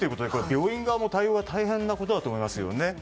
病院側も対応が大変なことだと思いますよね。